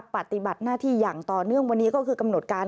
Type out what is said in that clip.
ปฏิบัติหน้าที่อย่างต่อเนื่องวันนี้ก็คือกำหนดการ